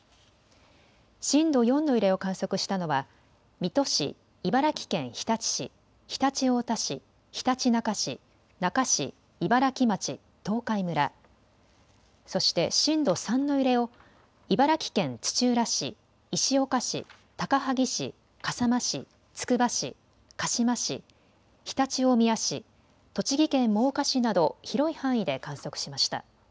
震度４の揺れを観測したのは水戸市、茨城県日立市、常陸太田市、ひたちなか市、那珂市、茨城町、東海村、そして震度３の揺れを茨城県土浦市、石岡市、高萩市、笠間市、つくば市、鹿嶋市、常陸大宮市、栃木県真岡市など広い範囲で観測しました。